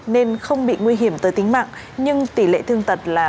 nên không bị nguy hiểm tới tính mạng nhưng tỷ lệ thương tật là bốn mươi